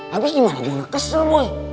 habis gimana dia ngekesel gue